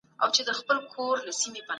ارواپوهان وايي چي ماشومان په زور مه لولوئ.